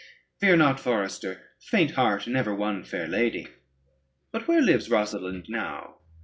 Fear not, forester; faint heart never won fair lady. But where lives Rosalynde now?